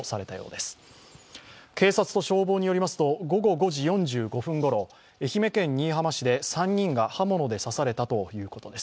警察と消防によりますと、午後５時４５分ごろ、愛媛県新居浜市で３人が刃物で刺されたということです。